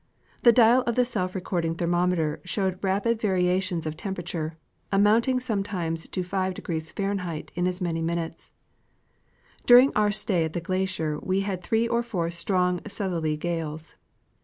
The dial of the self recording thermometer showed rapid variations of temperature, amounting sometimes to 5° E. in as many minutes. During our stay at the glacier we had three or four strong southerly gales.